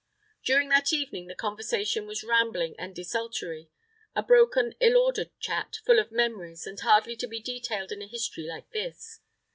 During that evening the conversation was rambling and desultory a broken, ill ordered chat, full of memories, and hardly to be detailed in a history like this.